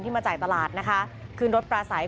มาจ่ายตลาดนะคะขึ้นรถปลาใส